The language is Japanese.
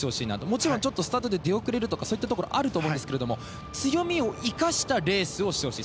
もちろんスタートで出遅れるとかそういうところもあると思いますが強みを生かしたレースをしてほしい。